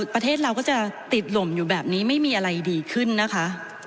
ประเทศเราก็จะติดลมอยู่แบบนี้ไม่มีอะไรดีขึ้นนะคะ